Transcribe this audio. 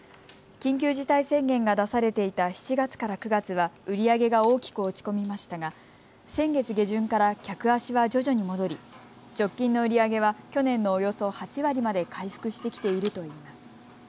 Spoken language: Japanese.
緊急事態宣言が出されていた７月から９月は売り上げが大きく落ち込みましたが先月下旬から客足は徐々に戻り直近の売り上げは去年のおよそ８割まで回復してきているといいます。